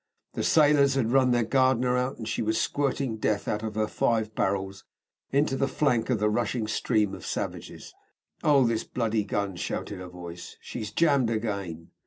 The sailors had run their Gardner out, and she was squirting death out of her five barrels into the flank of the rushing stream of savages. "Oh, this bloody gun!" shouted a voice. "She's jammed again."